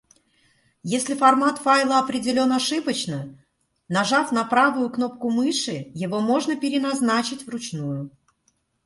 Если формат файла определён ошибочно, нажав на правую кнопку мыши его можно переназначить вручную.